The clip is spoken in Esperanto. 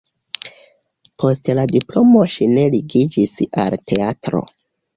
Post la diplomo ŝi ne ligiĝis al teatro.